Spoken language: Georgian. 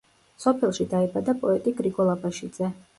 სოფელში დაიბადა პოეტი გრიგოლ აბაშიძე.